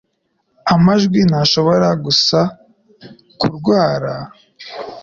Amajwi ntashobora gusa kurwara.